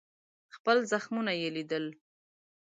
خپل زخمونه یې لیدل.